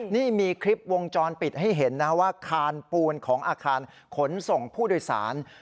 นี่มีคลิปวงจรปิดให้เห็นนะว่าคานปูนของอาคารขนส่งผู้โดยสาร